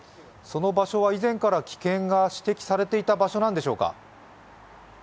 その場所は以前から危険が指摘されていた場所なんでしょうか？